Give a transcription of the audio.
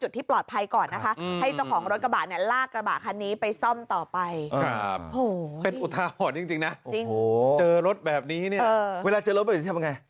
เวลาเจอรถแบบนี้ทำยังไง